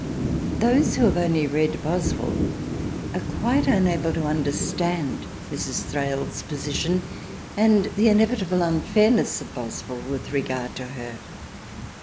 Those who have only read Boswell are quite unable to understand Mrs. Thrale's position, and the inevitable unfairness of Boswell with regard to her.